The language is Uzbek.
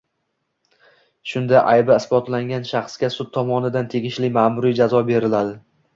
Shunda aybi isbotlangan shaxsga sud tomonidan tegishli ma’muriy jazo beriladi.